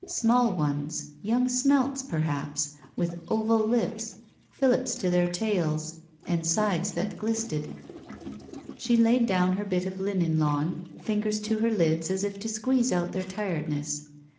Small ones — ^yoimg smelts, perhaps — ^with oval lips, fillips to their tails, and sides that glisted. She laid down her bit of linen lawn, fingers to her lids as if to squeeze out their tiredness.